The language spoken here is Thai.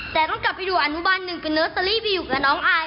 แต่ต้องกลับไปดูอนุบันหนึ่งคือเนอร์เตอรี่ไปอยู่กับน้องอาย